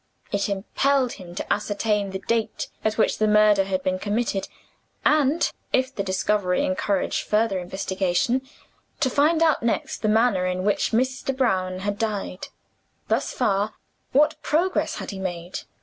It impelled him to ascertain the date at which the murder had been committed, and (if the discovery encouraged further investigation) to find out next the manner in which Mr. Brown had died. Thus far, what progress had he made?